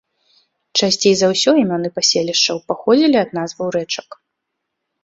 Часцей за ўсё імёны паселішчаў паходзілі ад назваў рэчак.